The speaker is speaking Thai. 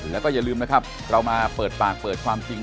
แล้วก็อย่าลืมนะครับเรามาเปิดปากเปิดความจริง